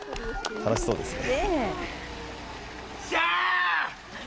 楽しそうですね。